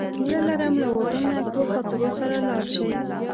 هیله لرم له اردن نه ښو خاطرو سره لاړ شئ.